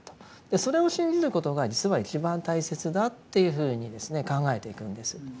それを信じることが実は一番大切だというふうに考えていくんです。